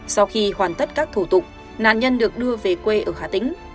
sau khi hoàn tất các thủ tục nạn nhân được đưa về quê ở hà tĩnh